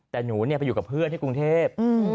แต่หนูไปอยู่กับเพื่อนที่กรุงเทพ